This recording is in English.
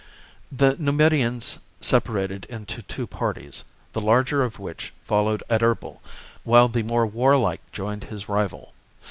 The Numidians separated into two parties, the larger of which followed Adherbal, while the more warlike joined his rival.